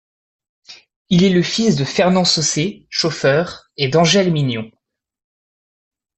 Il est le fils de Fernand Saussez, chauffeur, et d'Angèle Mignon.